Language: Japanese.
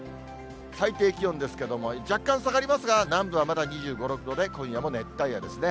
最低気温ですけれども、若干下がりますが、南部はまだ２５、６度で、今夜も熱帯夜ですね。